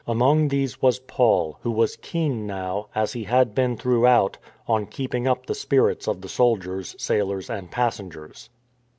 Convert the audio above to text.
Among these was Paul — who was keen now, as he had been throughout, on keeping up the spirits of the soldiers, sailors, and passengers.